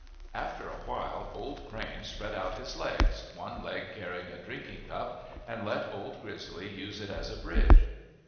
After a while Old Crane spread out his legs, one leg carrying a drinking cup, and let Old Grizzly use it as a bridge.